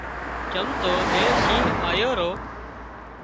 چم تو زي شينهن آيو رو